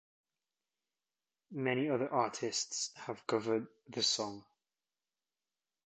Many other artists have covered the song.